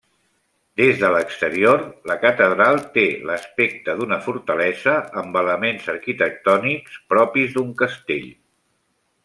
Des de l'exterior, la catedral té l'aspecte d'una fortalesa, amb elements arquitectònics propis d'un castell.